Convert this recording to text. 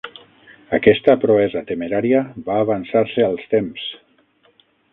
Aquesta proesa temerària va avançar-se als temps.